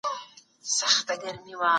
تل بدلون موندونکو سياسي مسايلو ته پام وکړئ.